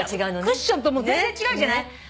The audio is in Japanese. クッションと全然違うじゃない。